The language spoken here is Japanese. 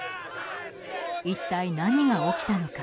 一体何が起きたのか？